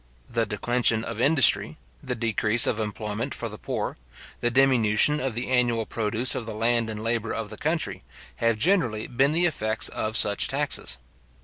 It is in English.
The declension of industry, the decrease of employment for the poor, the diminution of the annual produce of the land and labour of the country, have generally been the effects of such taxes.